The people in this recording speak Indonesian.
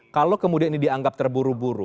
kalau kemudian ini dianggap terburu buru